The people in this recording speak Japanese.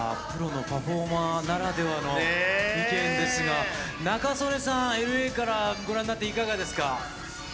プロのパフォーマーならではの意見ですが、仲宗根さん、ＬＡからご覧になって、いかがですか？